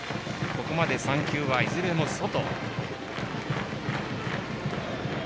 ここまで３球、いずれも外。